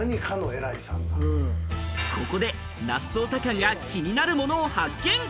ここで那須捜査官が気になるものを発見。